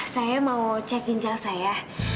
saya mau cek ginjal saya